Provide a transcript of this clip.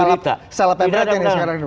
berarti salah peperat ini sekarang